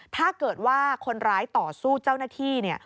ถ้าเกิดว่าคนร้ายต่อสู้เจ้าหน้าที่เนี่ย